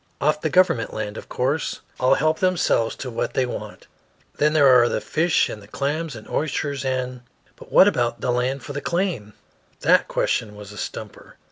"Off the government land, of course. All help themselves to what they want. Then there are the fish and the clams and oysters, and " "But what about the land for the claim?" That question was a stumper.